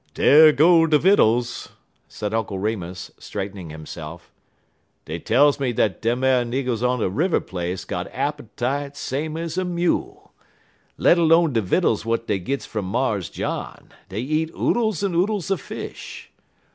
"Dar go de vittles!" said Uncle Remus, straightening himself. "Dey tells me dat dem ar niggers on de River place got appetite same ez a mule. Let 'lone de vittles w'at dey gits from Mars John, dey eats oodles en oodles er fish.